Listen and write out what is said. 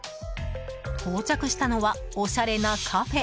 到着したのはおしゃれなカフェ。